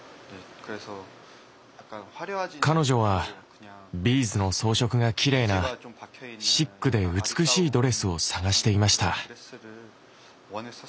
彼女はビーズの装飾がきれいなシックで美しいドレスを探していました。